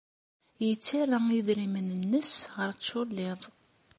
Yettarra idrimen-nnes ɣer tculliḍt.